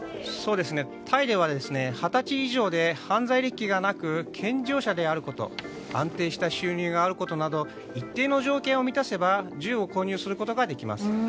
タイでは二十歳以上で犯罪歴がなく健常者であること安定した収入があることなど一定の条件を満たせば銃を購入することができます。